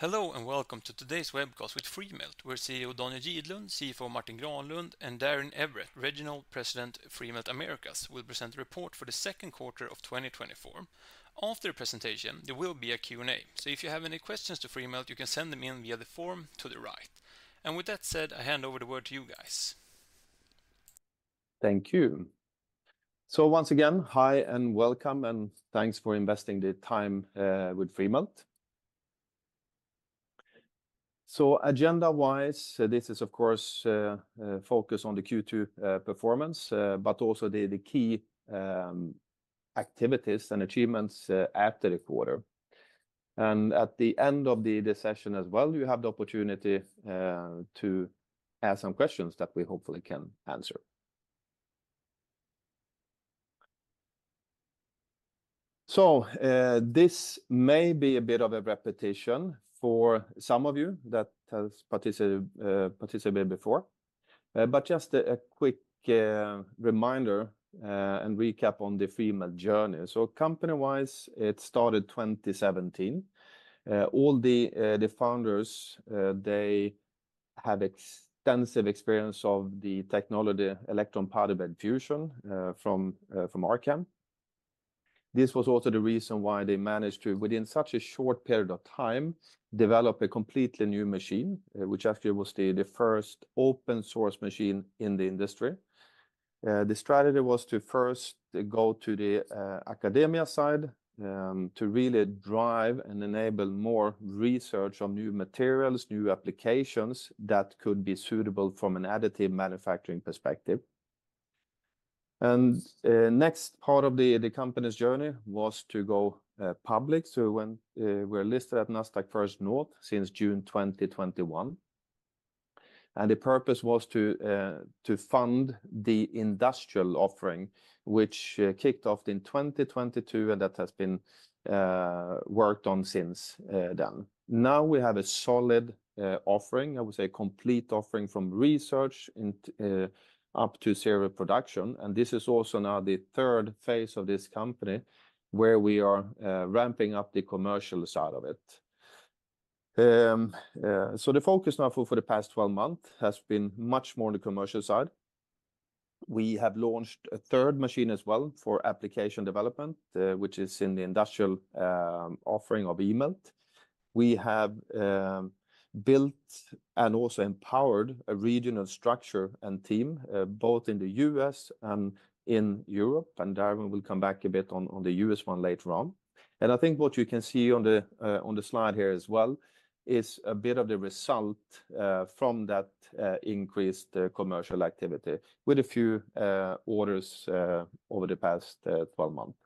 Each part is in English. Hello and welcome to today's webcast with Freemelt. We're CEO Daniel Gidlund, CFO Martin Granlund, and Darin Everett, Regional President of Freemelt Americas, who will present a report for the second quarter of 2024. After the presentation, there will be a Q&A, so if you have any questions to Freemelt, you can send them in via the form to the right. And with that said, I hand over the word to you guys. Thank you. So once again, hi and welcome, and thanks for investing the time with Freemelt. So agenda-wise, this is, of course, a focus on the Q2 performance, but also the key activities and achievements after the quarter. And at the end of the session as well, you have the opportunity to ask some questions that we hopefully can answer. So this may be a bit of a repetition for some of you that have participated before, but just a quick reminder and recap on the Freemelt journey. So company-wise, it started 2017. All the founders, they have extensive experience of the technology, electron powder bed fusion from Arcam. This was also the reason why they managed to, within such a short period of time, develop a completely new machine, which actually was the first open-source machine in the industry. The strategy was to first go to the academia side to really drive and enable more research on new materials, new applications that could be suitable from an additive manufacturing perspective. The next part of the company's journey was to go public. We're listed at Nasdaq First North since June 2021. The purpose was to fund the industrial offering, which kicked off in 2022, and that has been worked on since then. Now we have a solid offering, I would say a complete offering from research up to serial production. This is also now the third phase of this company where we are ramping up the commercial side of it. The focus now for the past 12 months has been much more on the commercial side. We have launched a third machine as well for application development, which is in the industrial offering of eMELT. We have built and also empowered a regional structure and team, both in the U.S. and in Europe. Darin will come back a bit on the U.S. one later on. I think what you can see on the slide here as well is a bit of the result from that increased commercial activity with a few orders over the past 12 months.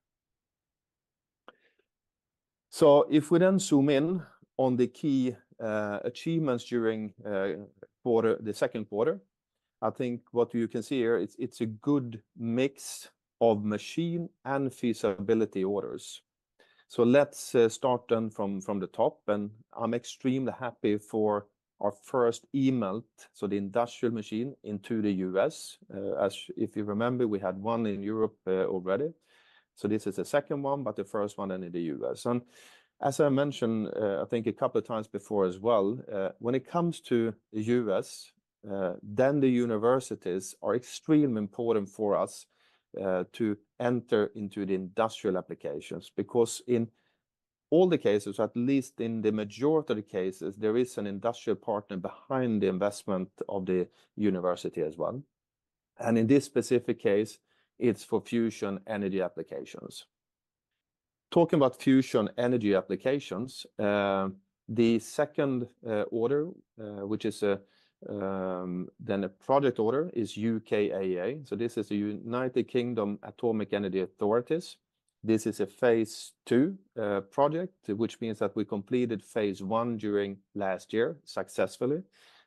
If we then zoom in on the key achievements during the second quarter, I think what you can see here, it's a good mix of machine and feasibility orders. Let's start then from the top. I'm extremely happy for our first eMELT, so the industrial machine into the U.S. If you remember, we had one in Europe already. So this is the second one, but the first one then in the U.S. And as I mentioned, I think a couple of times before as well, when it comes to the U.S., then the universities are extremely important for us to enter into the industrial applications because in all the cases, at least in the majority of the cases, there is an industrial partner behind the investment of the university as well. And in this specific case, it's for fusion energy applications. Talking about fusion energy applications, the second order, which is then a project order, is UKAEA. So this is the United Kingdom Atomic Energy Authority. This is a phase two project, which means that we completed phase one during last year successfully.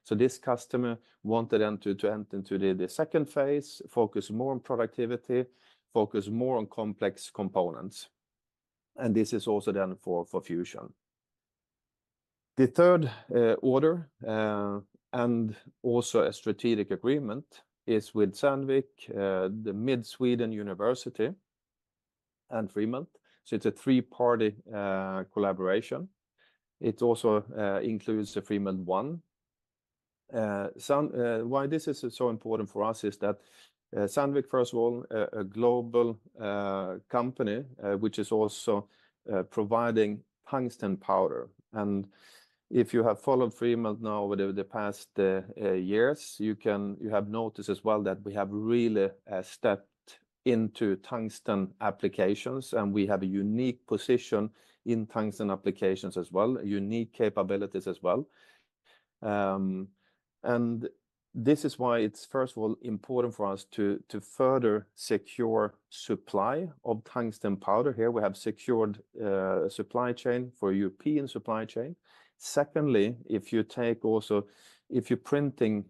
So this customer wanted them to enter into the second phase, focus more on productivity, focus more on complex components. And this is also then for fusion. The third order, and also a strategic agreement, is with Sandvik, the Mid Sweden University and Freemelt. So it's a three-party collaboration. It also includes the Freemelt ONE. Why this is so important for us is that Sandvik, first of all, a global company, which is also providing tungsten powder. And if you have followed Freemelt now over the past years, you have noticed as well that we have really stepped into tungsten applications and we have a unique position in tungsten applications as well, unique capabilities as well. And this is why it's, first of all, important for us to further secure supply of tungsten powder. Here we have secured supply chain for European supply chain. Secondly, if you take also, if you're printing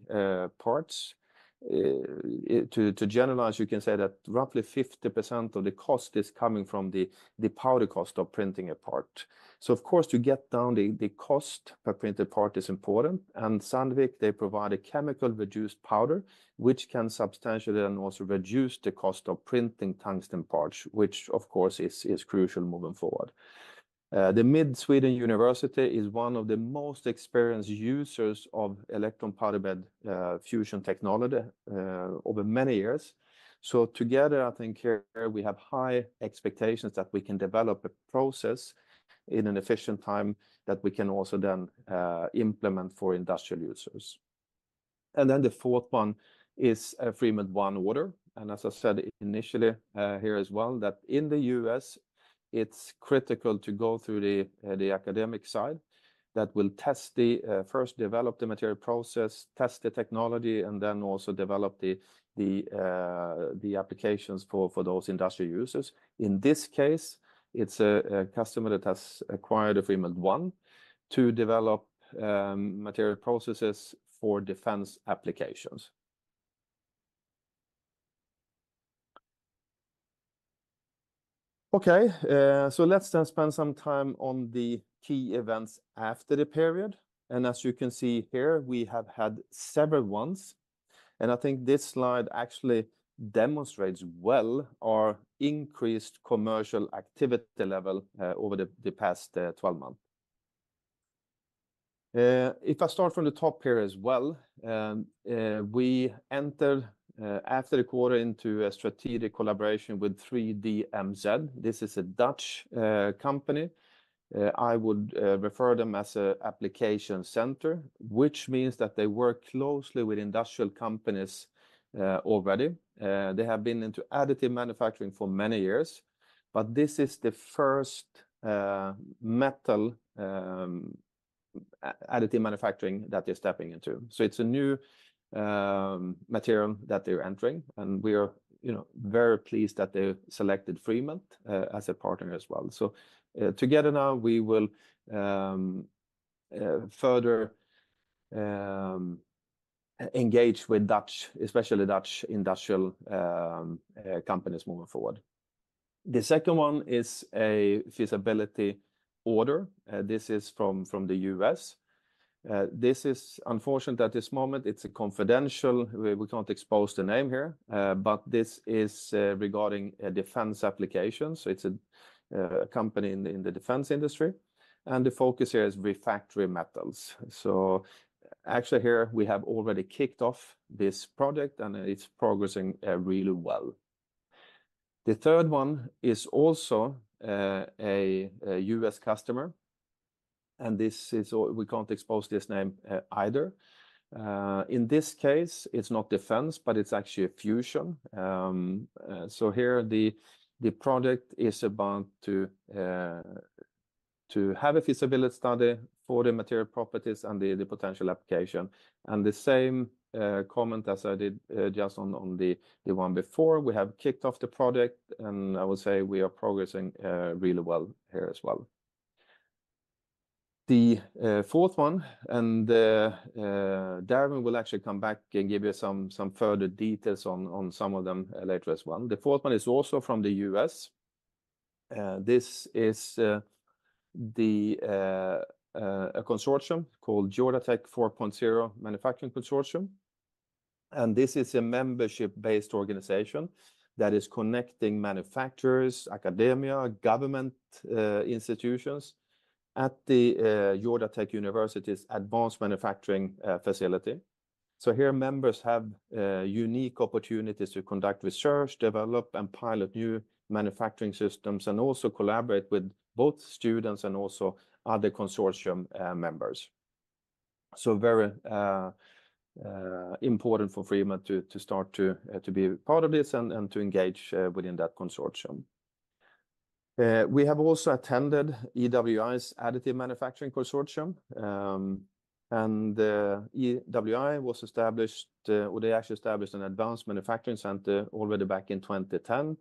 parts, to generalize, you can say that roughly 50% of the cost is coming from the powder cost of printing a part. So of course, to get down the cost per printed part is important. And Sandvik, they provide a chemical-reduced powder, which can substantially then also reduce the cost of printing tungsten parts, which of course is crucial moving forward. The Mid Sweden University is one of the most experienced users of electron powder bed fusion technology over many years. So together, I think here we have high expectations that we can develop a process in an efficient time that we can also then implement for industrial users. And then the fourth one is Freemelt ONE order. And as I said initially here as well, that in the U.S., it's critical to go through the academic side that will test the first, develop the material process, test the technology, and then also develop the applications for those industrial users. In this case, it's a customer that has acquired a Freemelt ONE to develop material processes for defense applications. Okay, so let's then spend some time on the key events after the period. And as you can see here, we have had several ones. And I think this slide actually demonstrates well our increased commercial activity level over the past 12 months. If I start from the top here as well, we entered after the quarter into a strategic collaboration with 3DMZ. This is a Dutch company. I would refer to them as an application center, which means that they work closely with industrial companies already. They have been into additive manufacturing for many years, but this is the first metal additive manufacturing that they're stepping into. So it's a new material that they're entering. And we are very pleased that they selected Freemelt as a partner as well. So together now, we will further engage with Dutch, especially Dutch industrial companies moving forward. The second one is a feasibility order. This is from the U.S. This is unfortunate at this moment. It's a confidential. We can't expose the name here, but this is regarding a defense application. So it's a company in the defense industry. And the focus here is refractory metals. So actually here, we have already kicked off this project and it's progressing really well. The third one is also a U.S. customer. And this is, we can't expose this name either. In this case, it's not defense, but it's actually a fusion. So here the project is about to have a feasibility study for the material properties and the potential application. And the same comment as I did just on the one before, we have kicked off the project. I would say we are progressing really well here as well. The fourth one, and Darin will actually come back and give you some further details on some of them later as well. The fourth one is also from the U.S. This is a consortium called Georgia Tech 4.0 Manufacturing Consortium. This is a membership-based organization that is connecting manufacturers, academia, government institutions at the Georgia Tech University's advanced manufacturing facility. Here members have unique opportunities to conduct research, develop, and pilot new manufacturing systems, and also collaborate with both students and also other consortium members. Very important for Freemelt to start to be part of this and to engage within that consortium. We have also attended EWI's Additive Manufacturing Consortium. EWI was established, or they actually established an advanced manufacturing center already back in 2010.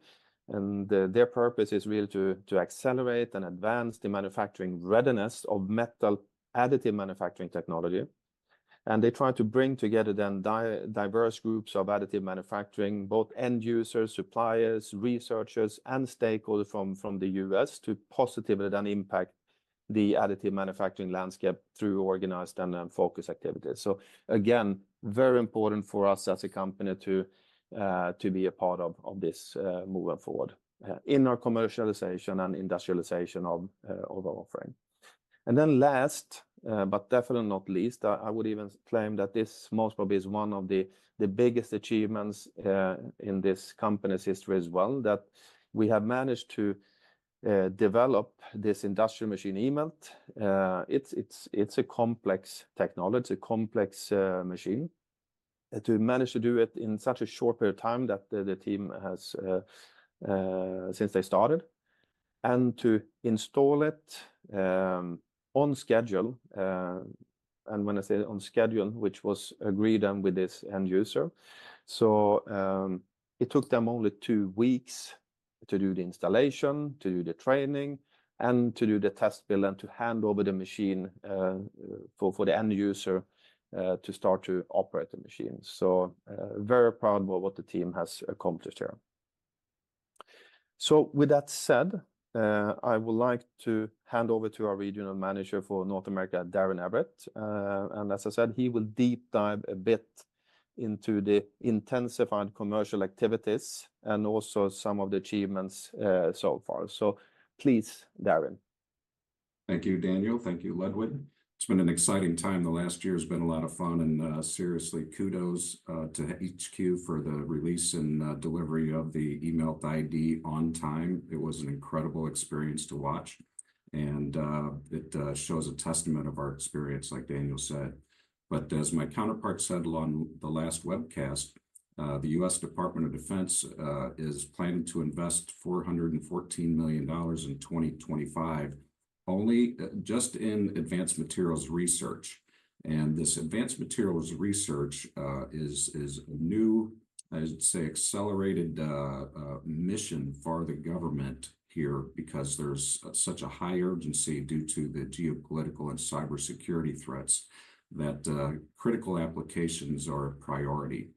Their purpose is really to accelerate and advance the manufacturing readiness of metal additive manufacturing technology. They try to bring together then diverse groups of additive manufacturing, both end users, suppliers, researchers, and stakeholders from the U.S. to positively then impact the additive manufacturing landscape through organized and focused activities. So again, very important for us as a company to be a part of this moving forward in our commercialization and industrialization of our offering. Then last, but definitely not least, I would even claim that this most probably is one of the biggest achievements in this company's history as well, that we have managed to develop this industrial machine eMELT. It's a complex technology, it's a complex machine to manage to do it in such a short period of time that the team has since they started and to install it on schedule. And when I say on schedule, which was agreed then with this end user. So it took them only two weeks to do the installation, to do the training, and to do the test build and to hand over the machine for the end user to start to operate the machine. So very proud of what the team has accomplished here. So with that said, I would like to hand over to our regional manager for North America, Darin Everett. And as I said, he will deep dive a bit into the intensified commercial activities and also some of the achievements so far. So please, Darin. Thank you, Daniel. Thank you, Ludwig. It's been an exciting time. The last year has been a lot of fun and seriously kudos to HQ for the release and delivery of the eMELT-iD on time. It was an incredible experience to watch. It shows a testament of our experience, like Daniel said. But as my counterpart said on the last webcast, the U.S. Department of Defense is planning to invest $414 million in 2025 only just in advanced materials research. This advanced materials research is a new, I'd say, accelerated mission for the government here because there's such a high urgency due to the geopolitical and cybersecurity threats that critical applications are a priority.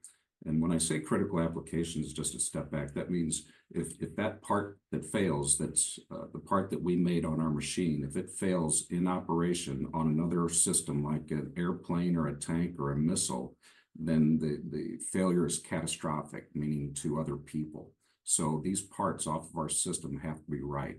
When I say critical applications, just a step back, that means if that part that fails, that's the part that we made on our machine, if it fails in operation on another system like an airplane or a tank or a missile, then the failure is catastrophic, meaning to other people. So these parts off of our system have to be right.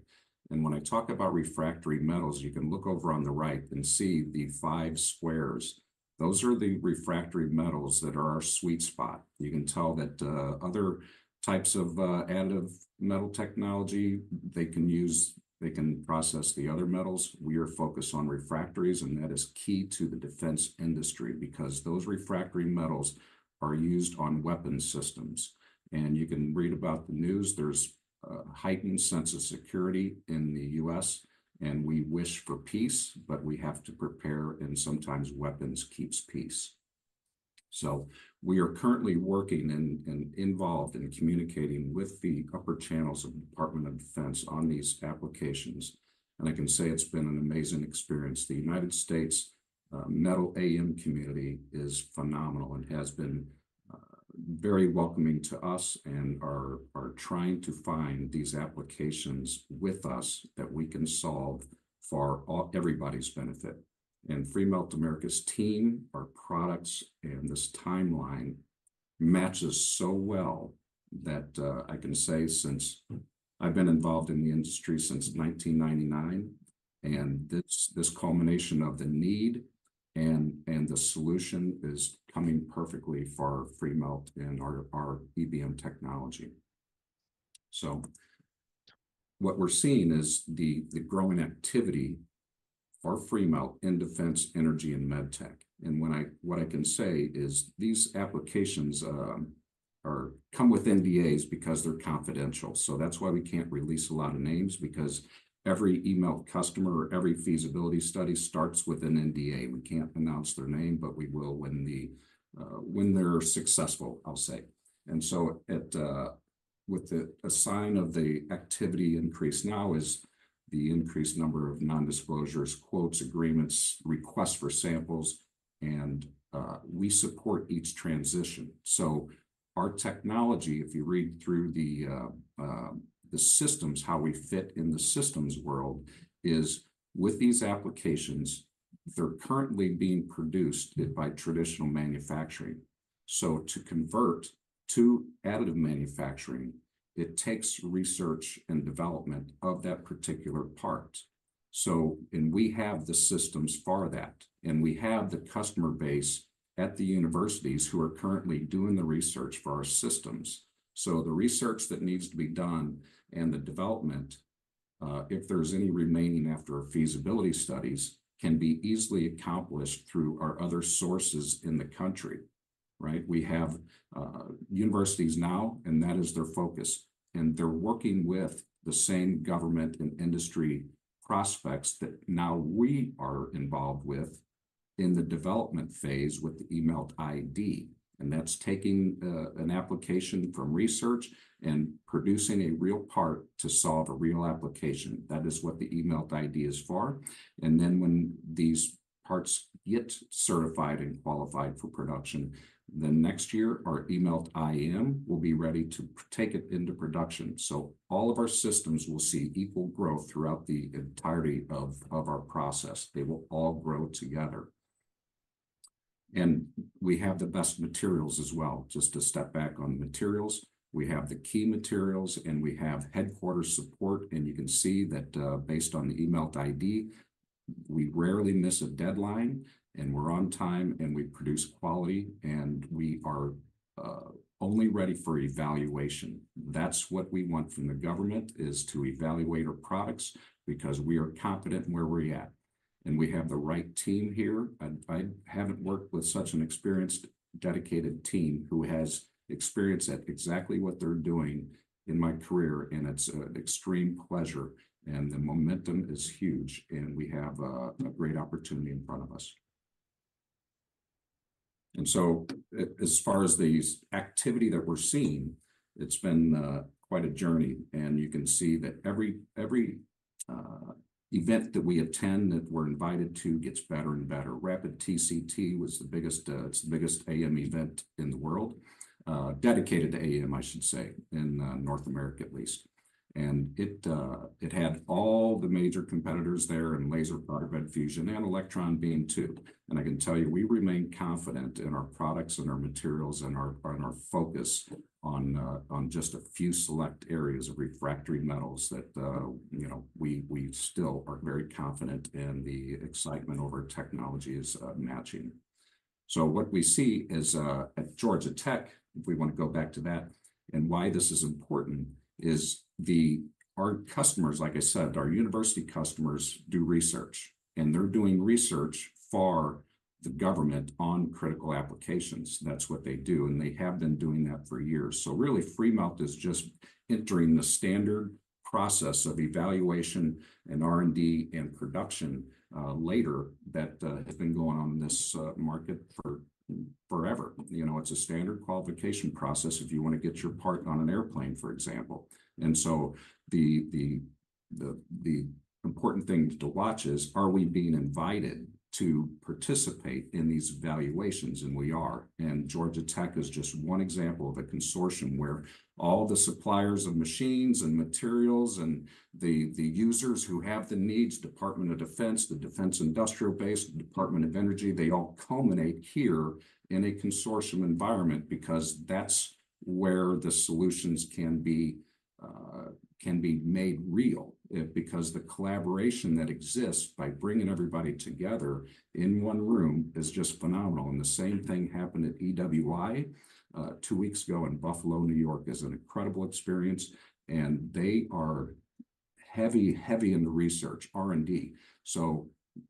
When I talk about refractory metals, you can look over on the right and see the five squares. Those are the refractory metals that are our sweet spot. You can tell that other types of additive metal technology, they can use, they can process the other metals. We are focused on refractories, and that is key to the defense industry because those refractory metals are used on weapons systems. You can read about the news. There's a heightened sense of security in the U.S., and we wish for peace, but we have to prepare, and sometimes weapons keeps peace. We are currently working and involved in communicating with the upper channels of the Department of Defense on these applications. I can say it's been an amazing experience. The United States metal AM community is phenomenal and has been very welcoming to us and are trying to find these applications with us that we can solve for everybody's benefit. Freemelt Americas' team, our products, and this timeline match so well that I can say since I've been involved in the industry since 1999, and this culmination of the need and the solution is coming perfectly for Freemelt and our EBM technology. What we're seeing is the growing activity for Freemelt in defense, energy, and medtech. What I can say is these applications come with NDAs because they're confidential. That's why we can't release a lot of names because every eMELT customer or every feasibility study starts with an NDA. We can't announce their name, but we will when they're successful, I'll say. With the sign of the activity increase, now is the increased number of non-disclosures, quotes, agreements, requests for samples, and we support each transition. So our technology, if you read through the systems, how we fit in the systems world is with these applications, they're currently being produced by traditional manufacturing. So to convert to additive manufacturing, it takes research and development of that particular part. And we have the systems for that. And we have the customer base at the universities who are currently doing the research for our systems. So the research that needs to be done and the development, if there's any remaining after feasibility studies, can be easily accomplished through our other sources in the country. We have universities now, and that is their focus. They're working with the same government and industry prospects that now we are involved with in the development phase with the eMELT-iD. That's taking an application from research and producing a real part to solve a real application. That is what the eMELT-iD is for. Then when these parts get certified and qualified for production, then next year, our eMELT-iM will be ready to take it into production. All of our systems will see equal growth throughout the entirety of our process. They will all grow together. We have the best materials as well. Just to step back on materials, we have the key materials, and we have headquarters support. You can see that based on the eMELT-iD, we rarely miss a deadline, and we're on time, and we produce quality, and we are only ready for evaluation. That's what we want from the government is to evaluate our products because we are confident in where we're at. And we have the right team here. I haven't worked with such an experienced, dedicated team who has experience at exactly what they're doing in my career. And it's an extreme pleasure. And the momentum is huge. And we have a great opportunity in front of us. And so as far as the activity that we're seeing, it's been quite a journey. And you can see that every event that we attend, that we're invited to, gets better and better. RAPID + TCT was the biggest AM event in the world, dedicated to AM, I should say, in North America at least. And it had all the major competitors there in laser fiber fusion and electron beam too. And I can tell you, we remain confident in our products and our materials and our focus on just a few select areas of refractory metals that we still are very confident in the excitement over technologies matching. So what we see is at Georgia Tech, if we want to go back to that, and why this is important is our customers, like I said, our university customers do research. And they're doing research for the government on critical applications. That's what they do. And they have been doing that for years. So really, Freemelt is just entering the standard process of evaluation and R&D and production later that has been going on this market forever. It's a standard qualification process if you want to get your part on an airplane, for example. And so the important thing to watch is, are we being invited to participate in these evaluations? We are. Georgia Tech is just one example of a consortium where all the suppliers of machines and materials and the users who have the needs, Department of Defense, the Defense Industrial Base, the Department of Energy, they all culminate here in a consortium environment because that's where the solutions can be made real because the collaboration that exists by bringing everybody together in one room is just phenomenal. The same thing happened at EWI two weeks ago in Buffalo, New York. It's an incredible experience. They are heavy, heavy in the research, R&D.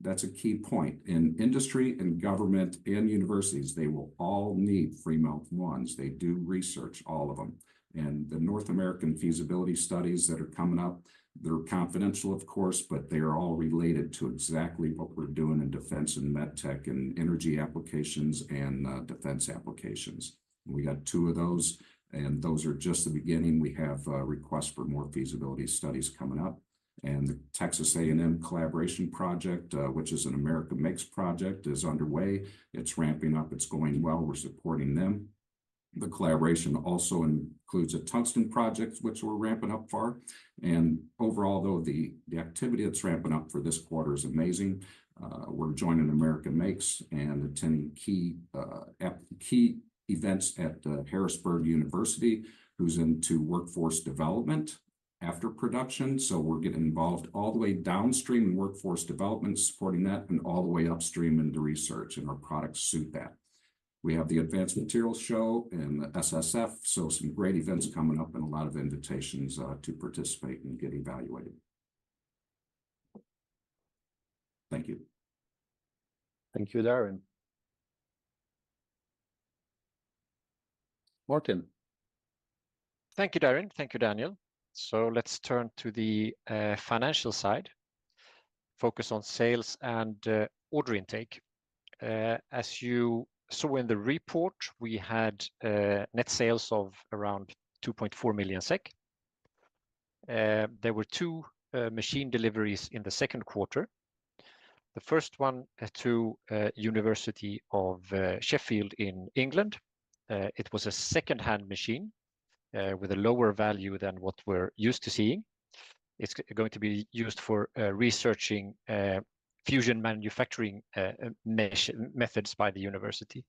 That's a key point. In industry and government and universities, they will all need Freemelt ONE. They do research, all of them. The North American feasibility studies that are coming up, they're confidential, of course, but they are all related to exactly what we're doing in defense and med tech and energy applications and defense applications. We got two of those. Those are just the beginning. We have requests for more feasibility studies coming up. The Texas A&M collaboration project, which is an America Makes project, is underway. It's ramping up. It's going well. We're supporting them. The collaboration also includes a Tungsten project, which we're ramping up for. Overall, though, the activity that's ramping up for this quarter is amazing. We're joining America Makes and attending key events at Harrisburg University, who's into workforce development after production. We're getting involved all the way downstream in workforce development, supporting that, and all the way upstream in the research and our products suit that. We have the Advanced Materials Show and the SFF, so some great events coming up and a lot of invitations to participate and get evaluated. Thank you. Thank you, Darin. Martin. Thank you, Darin. Thank you, Daniel. So let's turn to the financial side, focus on sales and order intake. As you saw in the report, we had net sales of around 2.4 million SEK. There were two machine deliveries in the second quarter. The first one to University of Sheffield in England. It was a second-hand machine with a lower value than what we're used to seeing. It's going to be used for researching fusion manufacturing methods by the university.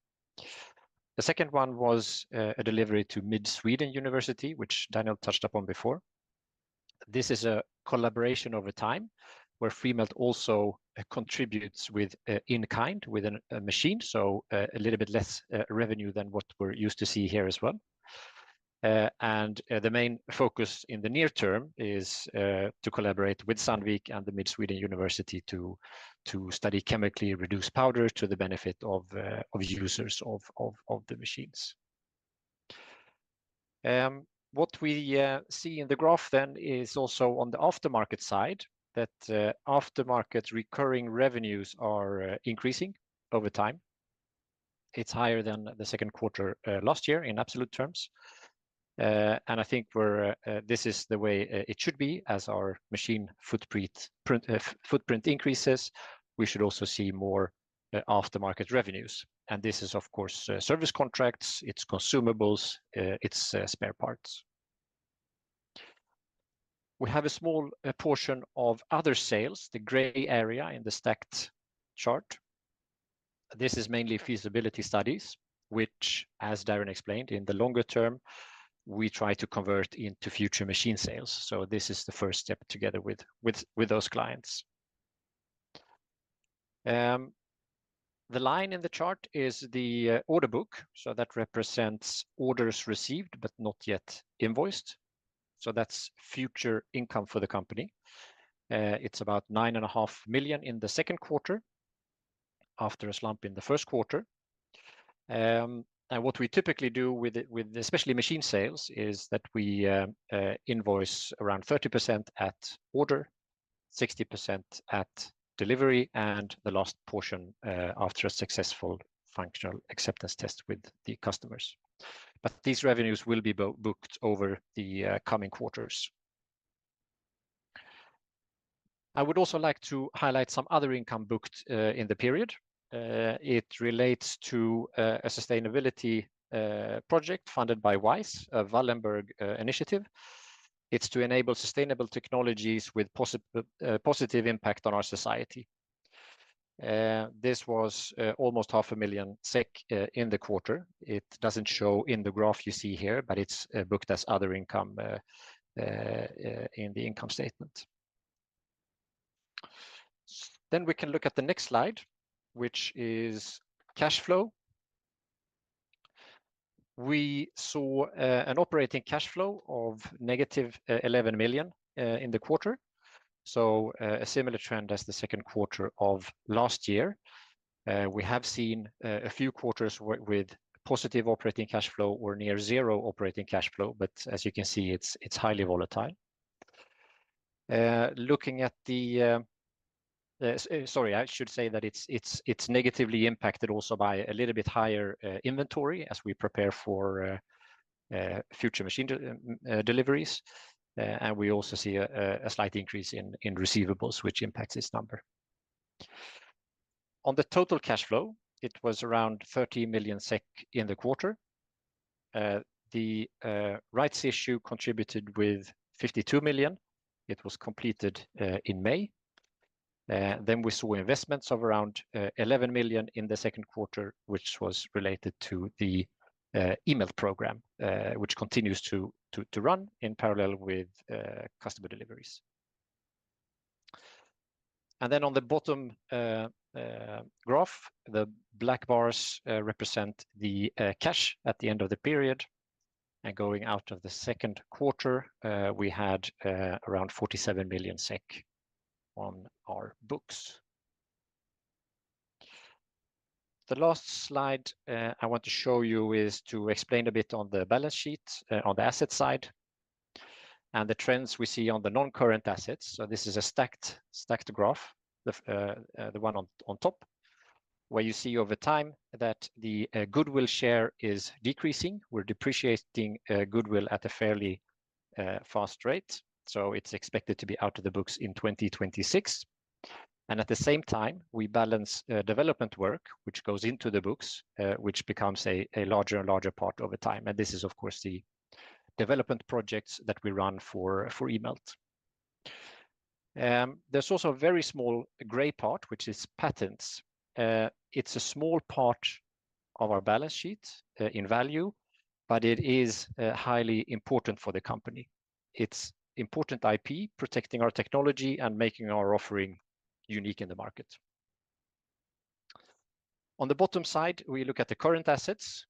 The second one was a delivery to Mid Sweden University, which Daniel touched upon before. This is a collaboration over time where Freemelt also contributes with in-kind with a machine, so a little bit less revenue than what we're used to see here as well. And the main focus in the near term is to collaborate with Sandvik and the Mid Sweden University to study chemically reduced powders to the benefit of users of the machines. What we see in the graph then is also on the aftermarket side that aftermarket recurring revenues are increasing over time. It's higher than the second quarter last year in absolute terms. And I think this is the way it should be. As our machine footprint increases, we should also see more aftermarket revenues. And this is, of course, service contracts, its consumables, its spare parts. We have a small portion of other sales, the gray area in the stacked chart. This is mainly feasibility studies, which, as Darin explained, in the longer term, we try to convert into future machine sales. So this is the first step together with those clients. The line in the chart is the order book. So that represents orders received, but not yet invoiced. So that's future income for the company. It's about 9.5 million in the second quarter after a slump in the first quarter. And what we typically do with especially machine sales is that we invoice around 30% at order, 60% at delivery, and the last portion after a successful functional acceptance test with the customers. But these revenues will be booked over the coming quarters. I would also like to highlight some other income booked in the period. It relates to a sustainability project funded by WISE, a Wallenberg initiative. It's to enable sustainable technologies with positive impact on our society. This was almost 500,000 SEK in the quarter. It doesn't show in the graph you see here, but it's booked as other income in the income statement. Then we can look at the next slide, which is cash flow. We saw an operating cash flow of -11 million in the quarter. So a similar trend as the second quarter of last year. We have seen a few quarters with positive operating cash flow or near zero operating cash flow, but as you can see, it's highly volatile. Looking at the, sorry, I should say that it's negatively impacted also by a little bit higher inventory as we prepare for future machine deliveries. And we also see a slight increase in receivables, which impacts this number. On the total cash flow, it was around 30 million SEK in the quarter. The rights issue contributed with 52 million. It was completed in May. Then we saw investments of around 11 million in the second quarter, which was related to the eMELT program, which continues to run in parallel with customer deliveries. And then on the bottom graph, the black bars represent the cash at the end of the period. And going out of the second quarter, we had around 47 million SEK on our books. The last slide I want to show you is to explain a bit on the balance sheet on the asset side and the trends we see on the non-current assets. So this is a stacked graph, the one on top, where you see over time that the goodwill share is decreasing. We're depreciating goodwill at a fairly fast rate. So it's expected to be out of the books in 2026. At the same time, we balance development work, which goes into the books, which becomes a larger and larger part over time. This is, of course, the development projects that we run for eMELT. There's also a very small gray part, which is patents. It's a small part of our balance sheet in value, but it is highly important for the company. It's important IP, protecting our technology and making our offering unique in the market. On the bottom side, we look at the current assets.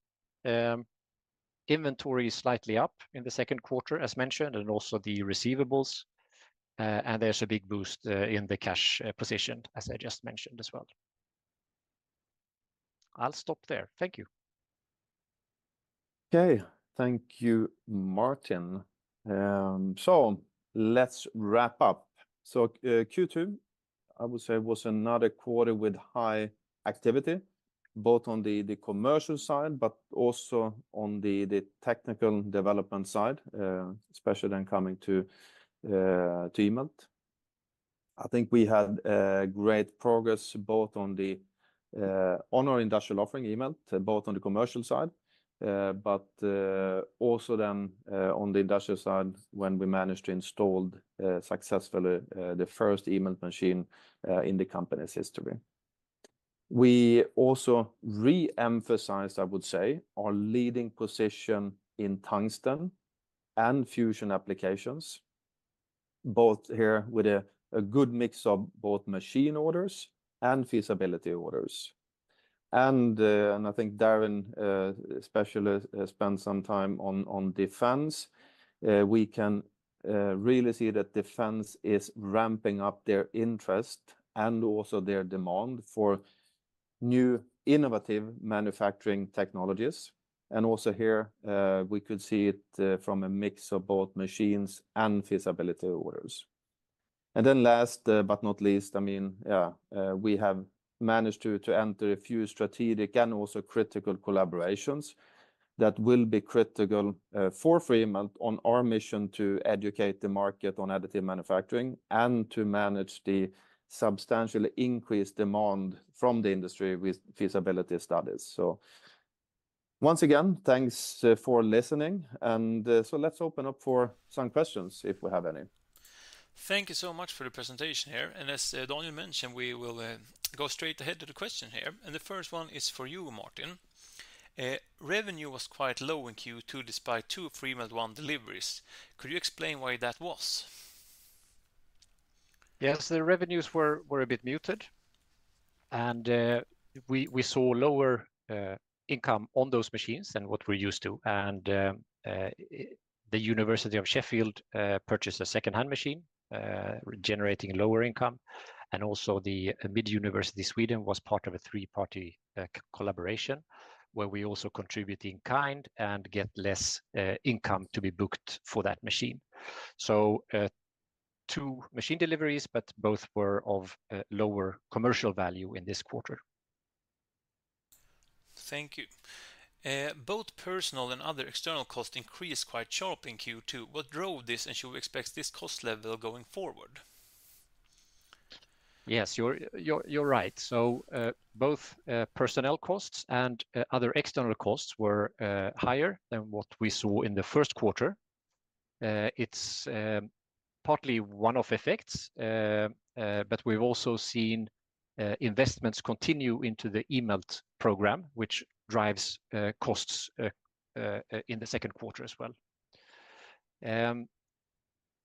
Inventory is slightly up in the second quarter, as mentioned, and also the receivables. There's a big boost in the cash position, as I just mentioned as well. I'll stop there. Thank you. Okay. Thank you, Martin. Let's wrap up. So Q2, I would say, was another quarter with high activity, both on the commercial side, but also on the technical development side, especially then coming to eMELT. I think we had great progress both on our industrial offering, eMELT, both on the commercial side, but also then on the industrial side when we managed to install successfully the first eMELT machine in the company's history. We also re-emphasized, I would say, our leading position in tungsten and fusion applications, both here with a good mix of both machine orders and feasibility orders. And I think Darin especially spent some time on defense. We can really see that defense is ramping up their interest and also their demand for new innovative manufacturing technologies. And also here, we could see it from a mix of both machines and feasibility orders. Then last but not least, I mean, yeah, we have managed to enter a few strategic and also critical collaborations that will be critical for Freemelt on our mission to educate the market on additive manufacturing and to manage the substantially increased demand from the industry with feasibility studies. So once again, thanks for listening. And so let's open up for some questions if we have any. Thank you so much for the presentation here. And as Daniel mentioned, we will go straight ahead to the question here. And the first one is for you, Martin. Revenue was quite low in Q2 despite two Freemelt ONE deliveries. Could you explain why that was? Yes, the revenues were a bit muted. And we saw lower income on those machines than what we're used to. And the University of Sheffield purchased a second-hand machine generating lower income. Also the Mid Sweden University was part of a three-party collaboration where we also contribute in-kind and get less income to be booked for that machine. So two machine deliveries, but both were of lower commercial value in this quarter. Thank you. Both personnel and other external costs increased quite sharply in Q2. What drove this and should we expect this cost level going forward? Yes, you're right. So both personnel costs and other external costs were higher than what we saw in the first quarter. It's partly one-off effects, but we've also seen investments continue into the eMELT program, which drives costs in the second quarter as well.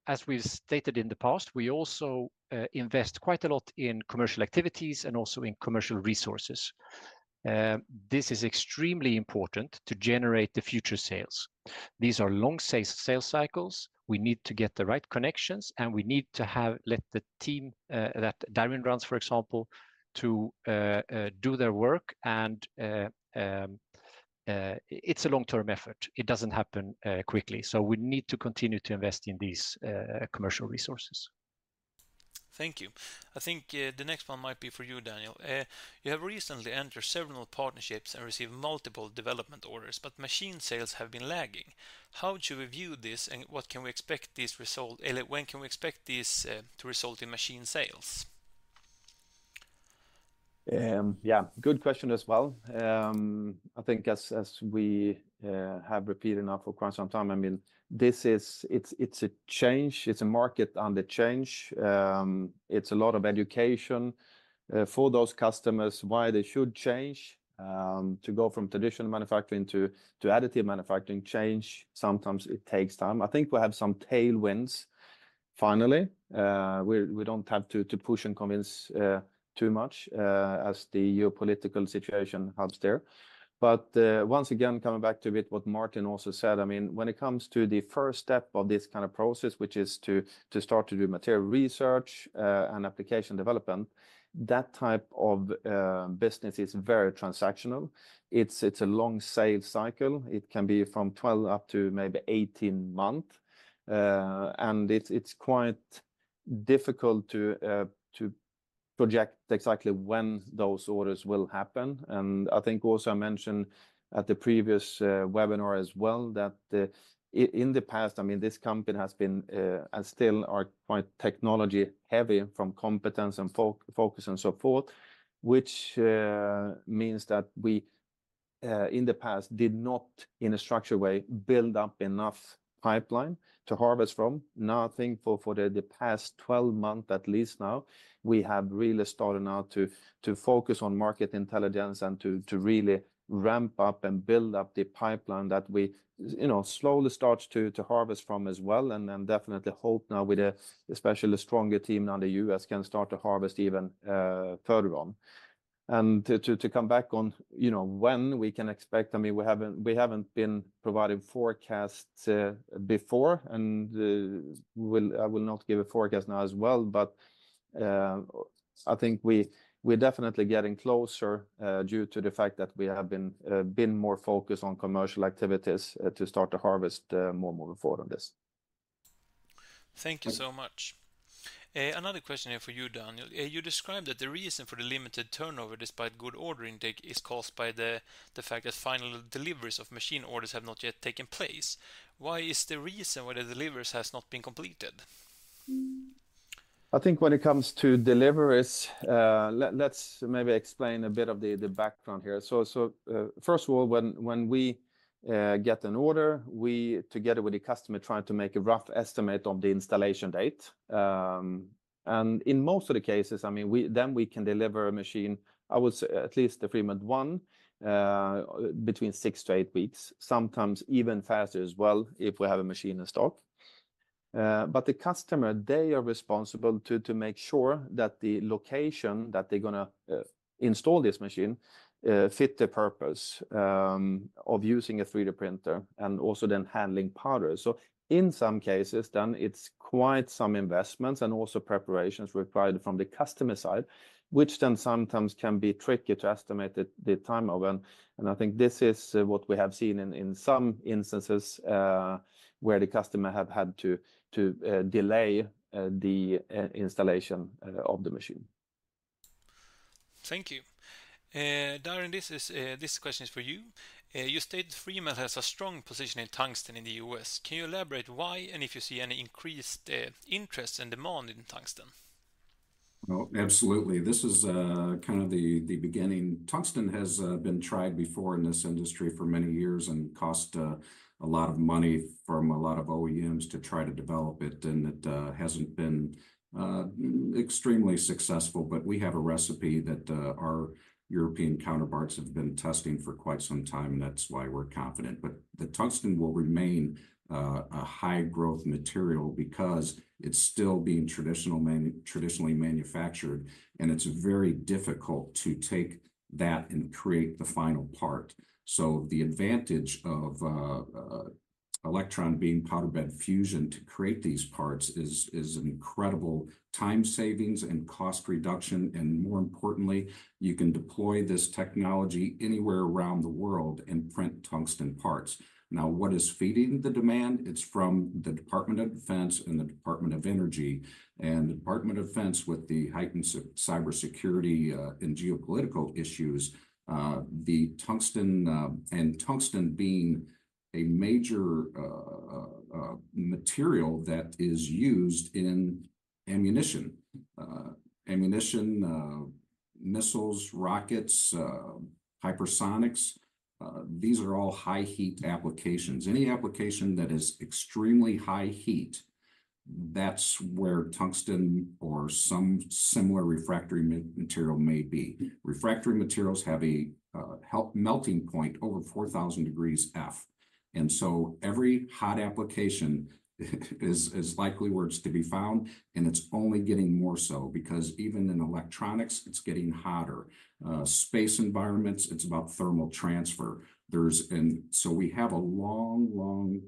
As we've stated in the past, we also invest quite a lot in commercial activities and also in commercial resources. This is extremely important to generate the future sales. These are long sales cycles. We need to get the right connections, and we need to let the team that Darin runs, for example, to do their work. And it's a long-term effort. It doesn't happen quickly. So we need to continue to invest in these commercial resources. Thank you. I think the next one might be for you, Daniel. You have recently entered several partnerships and received multiple development orders, but machine sales have been lagging. How would you review this and what can we expect this result? When can we expect this to result in machine sales? Yeah, good question as well. I think as we have repeated enough for quite some time, I mean, this is a change. It's a market under change. It's a lot of education for those customers why they should change. To go from traditional manufacturing to additive manufacturing change. Sometimes it takes time. I think we have some tailwinds finally. We don't have to push and convince too much as the geopolitical situation helps there. But once again, coming back to a bit what Martin also said, I mean, when it comes to the first step of this kind of process, which is to start to do material research and application development, that type of business is very transactional. It's a long sales cycle. It can be from 12 up to maybe 18 months. And it's quite difficult to project exactly when those orders will happen. And I think also I mentioned at the previous webinar as well that in the past, I mean, this company has been and still are quite technology-heavy from competence and focus and so forth, which means that we in the past did not, in a structured way, build up enough pipeline to harvest from. Nothing for the past 12 months, at least. Now, we have really started now to focus on market intelligence and to really ramp up and build up the pipeline that we slowly start to harvest from as well. And then definitely hope now with an especially stronger team now in the U.S. can start to harvest even further on. And to come back on when we can expect, I mean, we haven't been providing forecasts before. And I will not give a forecast now as well, but I think we're definitely getting closer due to the fact that we have been more focused on commercial activities to start to harvest more and more forward on this. Thank you so much. Another question here for you, Daniel. You described that the reason for the limited turnover despite good order intake is caused by the fact that final deliveries of machine orders have not yet taken place. Why is the reason why the deliveries have not been completed? I think when it comes to deliveries, let's maybe explain a bit of the background here. So first of all, when we get an order, we together with the customer try to make a rough estimate of the installation date. And in most of the cases, I mean, then we can deliver a machine, I would say at least the Freemelt ONE, between 6 to 8 weeks, sometimes even faster as well if we have a machine in stock. But the customer, they are responsible to make sure that the location that they're going to install this machine fits the purpose of using a 3D printer and also then handling powders. So in some cases, then it's quite some investments and also preparations required from the customer side, which then sometimes can be tricky to estimate the time of. And I think this is what we have seen in some instances where the customer has had to delay the installation of the machine. Thank you. Darin, this question is for you. You stated Freemelt has a strong position in tungsten in the U.S. Can you elaborate why and if you see any increased interest and demand in tungsten? Absolutely. This is kind of the beginning. Tungsten has been tried before in this industry for many years and cost a lot of money from a lot of OEMs to try to develop it. It hasn't been extremely successful, but we have a recipe that our European counterparts have been testing for quite some time, and that's why we're confident. The tungsten will remain a high-growth material because it's still being traditionally manufactured, and it's very difficult to take that and create the final part. The advantage of electron beam powder bed fusion to create these parts is incredible time savings and cost reduction. More importantly, you can deploy this technology anywhere around the world and print tungsten parts. Now, what is feeding the demand? It's from the Department of Defense and the Department of Energy. The Department of Defense, with the heightened cybersecurity and geopolitical issues, the tungsten and tungsten being a major material that is used in ammunition, ammunition, missiles, rockets, hypersonics, these are all high-heat applications. Any application that is extremely high heat, that's where tungsten or some similar refractory material may be. Refractory materials have a melting point over 4,000 degrees Fahrenheit. Every hot application is likely where it's to be found, and it's only getting more so because even in electronics, it's getting hotter. Space environments, it's about thermal transfer. We have a long, long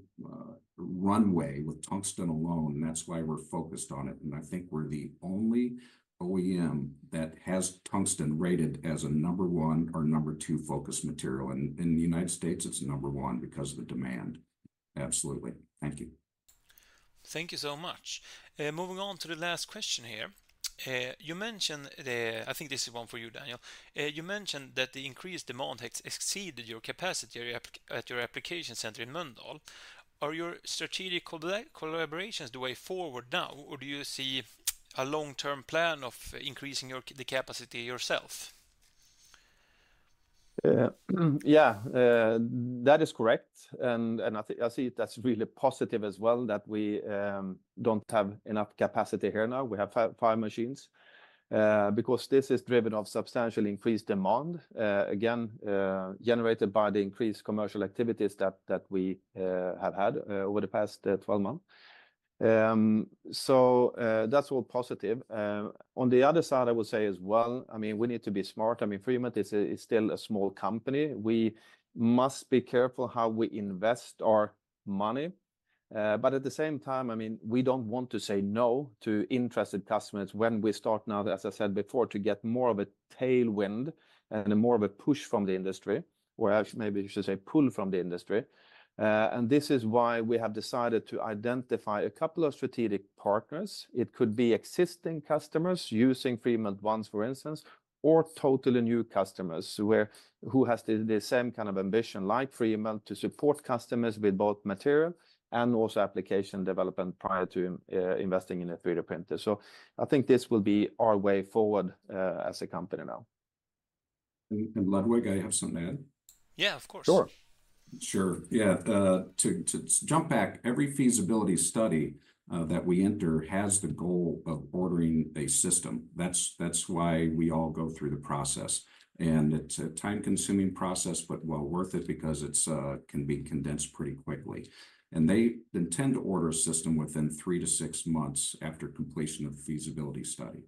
runway with tungsten alone, and that's why we're focused on it. I think we're the only OEM that has tungsten rated as a number one or number two focus material. In the United States, it's number one because of the demand. Absolutely. Thank you. Thank you so much. Moving on to the last question here. I think this is one for you, Daniel. You mentioned that the increased demand has exceeded your capacity at your application center in Mölndal. Are your strategic collaborations the way forward now, or do you see a long-term plan of increasing the capacity yourself? Yeah, that is correct. And I see that's really positive as well that we don't have enough capacity here now. We have five machines because this is driven by substantially increased demand, again, generated by the increased commercial activities that we have had over the past 12 months. So that's all positive. On the other side, I would say as well, I mean, we need to be smart. I mean, Freemelt is still a small company. We must be careful how we invest our money. But at the same time, I mean, we don't want to say no to interested customers when we start now, as I said before, to get more of a tailwind and more of a push from the industry, or maybe you should say pull from the industry. And this is why we have decided to identify a couple of strategic partners. It could be existing customers using Freemelt ONEs, for instance, or totally new customers who have the same kind of ambition like Freemelt to support customers with both material and also application development prior to investing in a 3D printer. So I think this will be our way forward as a company now. And Ludwig, I have something to add. Yeah, of course. Sure. Sure. Yeah. To jump back, every feasibility study that we enter has the goal of ordering a system. That's why we all go through the process. It's a time-consuming process, but well worth it because it can be condensed pretty quickly. They intend to order a system within 3-6 months after completion of the feasibility study.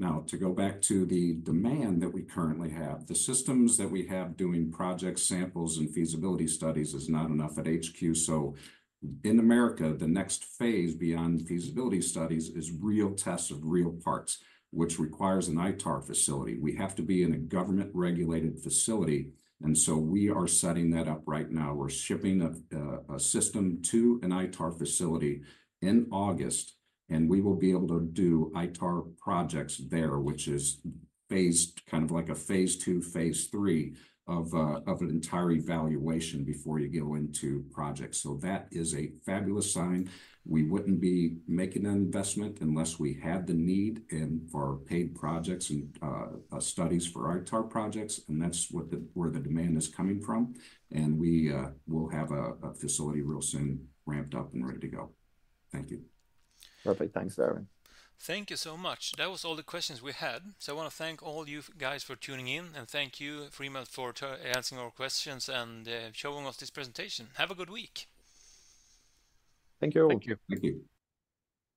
Now, to go back to the demand that we currently have, the systems that we have doing project samples and feasibility studies is not enough at HQ. In America, the next phase beyond feasibility studies is real tests of real parts, which requires an ITAR facility. We have to be in a government-regulated facility. We're setting that up right now. We're shipping a system to an ITAR facility in August, and we will be able to do ITAR projects there, which is based kind of like a phase two, phase three of an entire evaluation before you go into projects. So that is a fabulous sign. We wouldn't be making an investment unless we had the need for paid projects and studies for ITAR projects. And that's where the demand is coming from. And we will have a facility real soon ramped up and ready to go. Thank you. Perfect. Thanks, Darin. Thank you so much. That was all the questions we had. So I want to thank all you guys for tuning in. And thank you, Freemelt, for answering our questions and showing us this presentation. Have a good week. Thank you. Thank you. Thank you.